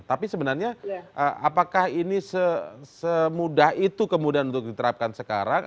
tapi sebenarnya apakah ini semudah itu kemudian untuk diterapkan sekarang